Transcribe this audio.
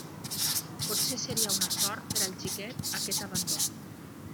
Potser seria una sort per al xiquet aquest abandó.